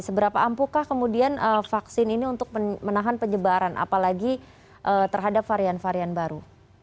seberapa ampukah kemudian vaksin ini untuk menahan penyebaran apalagi terhadap varian varian baru